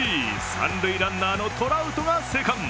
三塁ランナーのトラウトが生還。